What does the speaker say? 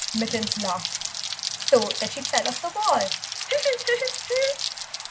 Mittens laughed so that she fell off the wall.